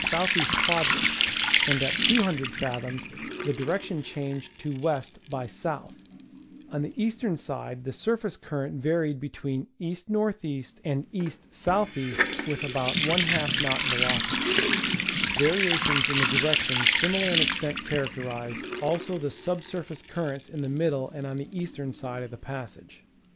E. quadrant, and at 200 fathoms the direction changed to W. by S. On the eastern side the surface current varied be tween E. N. E. and E. S. E., with about ^ knot velocity. Varia tions in the direction similar in extent characterized also the sub surface currents in the middle and on the eastern side of the passage.